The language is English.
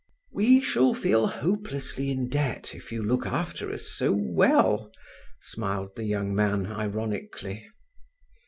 "We shall feel hopelessly in debt if you look after us so well," smiled the young man ironically.